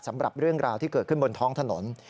สำหรับเรื่องราวที่เกิดขึ้นบนท้องถนน